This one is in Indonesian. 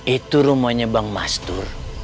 itu rumahnya bang mas dur